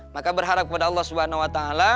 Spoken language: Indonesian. maka berharap kepada allah swt